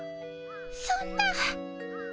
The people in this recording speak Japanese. そんな。